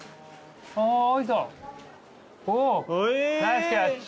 ナイスキャッチ。